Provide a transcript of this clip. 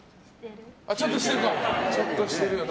ちょっとしてるよな。